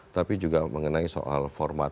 tapi juga mengenai soal format